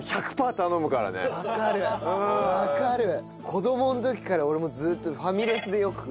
子供の時から俺もずーっとファミレスでよく頼んでた。